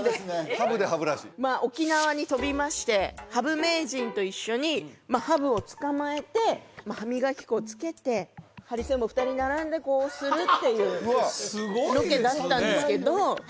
ハブで歯ブラシ沖縄に飛びましてハブ名人と一緒にハブを捕まえて歯磨き粉つけてハリセンボン２人並んでこうするっていうロケだったんですけどすごいですね